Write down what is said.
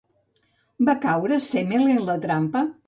Va caure Sèmele en la trampa?